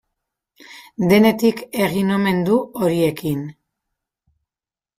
Denetik egin omen du horiekin.